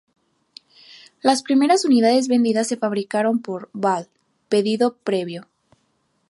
Las primeras unidades vendidas se fabricaron bAll pedido previo.